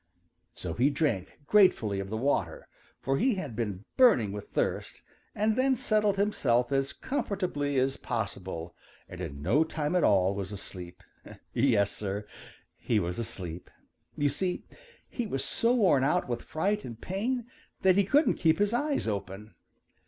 So he drank gratefully of the water, for he had been burning with thirst, and then settled himself as comfortably as possible and in no time at all was asleep. Yes, Sir, he was asleep! You see, he was so worn out with fright and pain that he couldn't keep his eyes open.